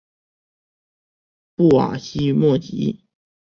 布瓦西莫吉。